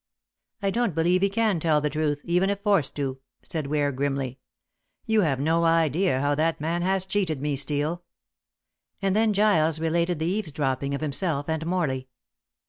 "I don't believe he can tell the truth, even if forced to," said Ware grimly. "You have no idea how that man has cheated me, Steel," and then Giles related the eavesdropping of himself and Morley.